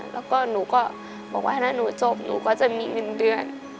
แล้วก็หนูก็บอกว่าถ้าหนูจบหนูก็จะมีเงินเดือน